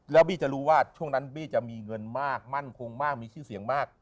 แล้วบี้จะรู้ว่าช่วงนั้นบี้จะมีเงินมากมั่นคงมากมีชื่อเสียงมาก